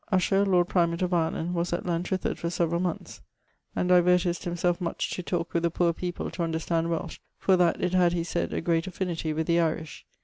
Usher, Lord Primate , was at Llantrithed for severall moneths, and divertised himselfe much to talke with the poore people to understand Welsh, for that 'it had,' he sayd, 'a great affinity with the Irish.'